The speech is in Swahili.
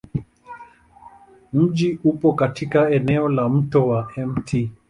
Mji upo katika eneo la Mto wa Mt.